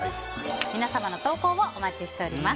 皆様の投稿をお待ちしております。